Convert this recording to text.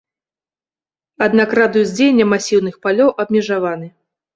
Аднак, радыус дзеяння масіўных палёў абмежаваны.